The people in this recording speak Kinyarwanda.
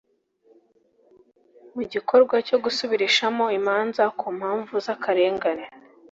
mu gikorwa cyo gusubirishamo imanza ku mpamvu z akarengane